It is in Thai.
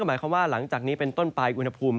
ก็จะมีการแผ่ลงมาแตะบ้างนะครับ